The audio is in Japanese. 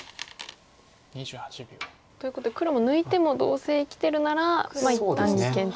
ということで黒も抜いてもどうせ生きてるならまあ一旦二間と。